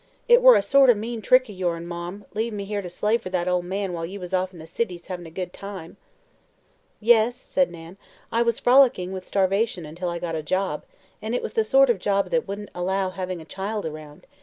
It were a sort o' mean trick o' yours, Marm, leavin' me here to slave fer that ol' man while you was off in the cities, havin' a good time." "Yes," said Nan, "I was frolicking with starvation until I got a job, and it was the sort of job that wouldn't allow having a child around.